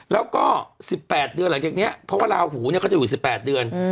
แล้วก็๑๘เดือนหลังจากนี้เพราะว่าลาหูเขาจะอยู่๑๘เดือน